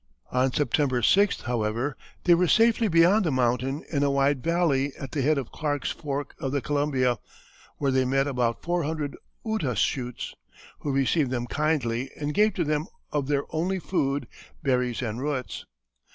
On September 6th, however, they were safely beyond the mountain in a wide valley at the head of Clark's Fork of the Columbia, where they met about four hundred Ootlashoots, who received them kindly and gave to them of their only food, berries and roots.